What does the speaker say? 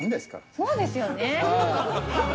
そうですよね。